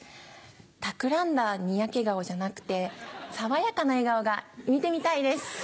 たくらんだニヤケ顔じゃなくて爽やかな笑顔が見てみたいです。